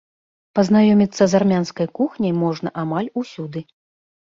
Пазнаёміцца з армянскай кухняй можна амаль усюды.